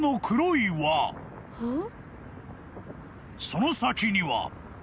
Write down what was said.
［その先には］